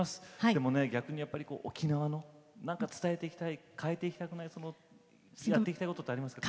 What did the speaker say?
でも、逆に沖縄の伝えていきたい変えていきたくない続けていきたいことってありますか？